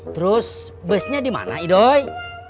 terus busnya dimana idoi